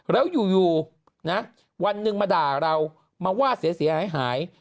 แล้วอยู่นะวันหนึ่งมาด่าเรามาว่าเสียหาย